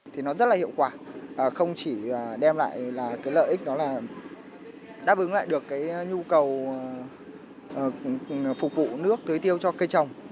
thì nó rất là hiệu quả không chỉ đem lại lợi ích đó là đáp ứng lại được nhu cầu phục vụ nước tưới tiêu cho cây trồng